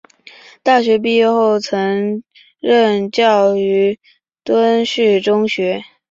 大学毕业后曾任教于敦叙中学。